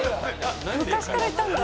昔からいたんだ。